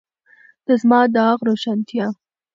د زما داغ روښانتیا.